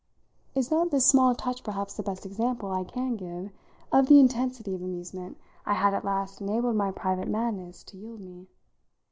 Is not this small touch perhaps the best example I can give of the intensity of amusement I had at last enabled my private madness to yield me?